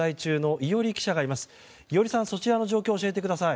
伊従さん、そちらの状況を教えてください。